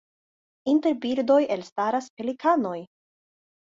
Inter birdoj elstaras pelikanoj.